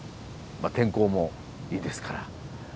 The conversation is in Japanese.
天候もいいですから。